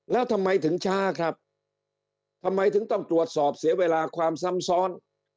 แล้วทำไมถึงช้าครับทำไมถึงต้องตรวจสอบเสียเวลาความซ้ำซ้อน